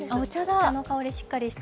お茶の香りしっかりして。